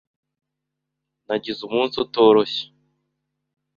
Nagize umunsi utoroshye.